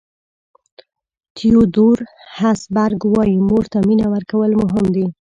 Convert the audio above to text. تیودور هسبرګ وایي مور ته مینه ورکول مهم دي.